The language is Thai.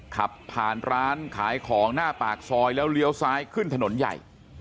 ขับผ่านร้านขายของหน้าปากซอยแล้วเลี้ยวซ้ายขึ้นถนนใหญ่